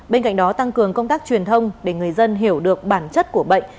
bên cạnh đó tăng cường công tác truyền thông để người dân hiểu được bản chất của bệnh